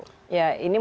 ya ini mau dikatakan